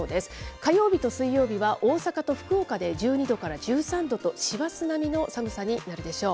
火曜日と水曜日は大阪と福岡で１２度から１３度と師走並みの寒さになるでしょう。